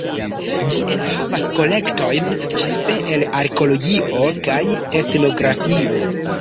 Ĝi enhavas kolektojn ĉefe el arkeologio kaj etnografio.